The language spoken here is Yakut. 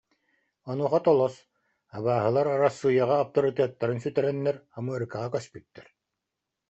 Онуоха Толос: «Абааһылар Арассыыйаҕа аптарытыаттарын сүтэрэннэр, Амыарыкаҕа көспүттэр»